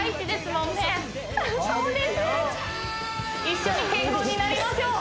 一緒に健康になりましょう！